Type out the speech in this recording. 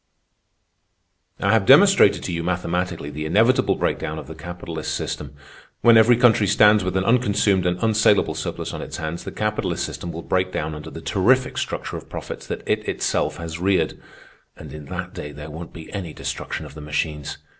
"I have demonstrated to you mathematically the inevitable breakdown of the capitalist system. When every country stands with an unconsumed and unsalable surplus on its hands, the capitalist system will break down under the terrific structure of profits that it itself has reared. And in that day there won't be any destruction of the machines.